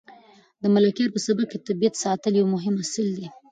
د ملکیار په سبک کې د طبیعت ستایل یو مهم اصل دی.